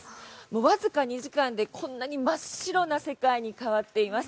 わずか２時間でこんなに真っ白な世界に変わっています。